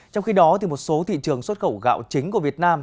trong khi đó một số thị trường xuất khẩu gạo chính của việt nam